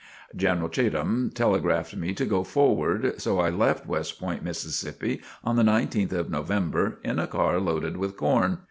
General Cheatham telegraphed me to go forward. So I left West Point, Mississippi, on the 19th of November, in a car loaded with corn.